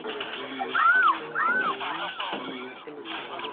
چي تل نوي کفن کښ یو زورولي!.